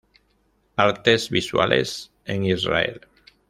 Artes visuales en Israel